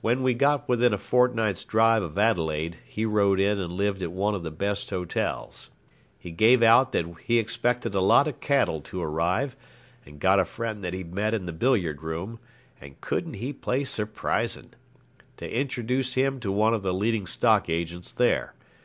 When we got within a fortnight's drive of Adelaide, he rode in and lived at one of the best hotels. He gave out that he expected a lot of cattle to arrive, and got a friend that he'd met in the billiard room (and couldn't he play surprisin'?) to introduce him to one of the leading stock agents there.